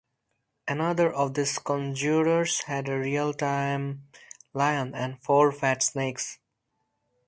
Another of these conjurers had a real tame lion and four fat snakes.